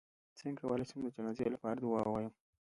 څنګه کولی شم د جنازې لپاره دعا ووایم